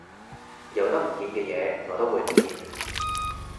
有得唔見嘅嘢我都會唔見